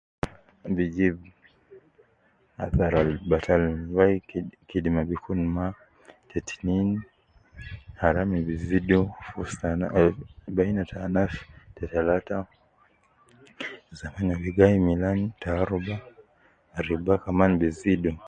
Mujtamaa aju ahh aju alim taalim.